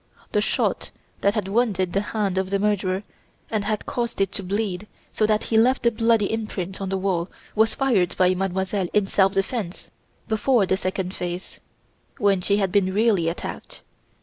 The shot that had wounded the hand of the murderer and had caused it to bleed so that he left the bloody imprint on the wall was fired by Mademoiselle in self defence, before the second phase, when she had been really attacked.